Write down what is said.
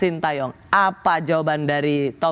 memandang putri jepang berkata